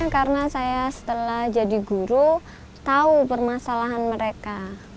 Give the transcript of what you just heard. karena saya setelah jadi guru tahu permasalahan mereka